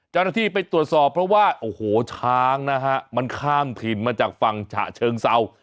เจ้าหน้าที่ไปตรวจสอบเพราะว่าโอ้โหช้างนะฮะมันข้ามถิ่นมาจากฝั่งฉะเชิงเศร้า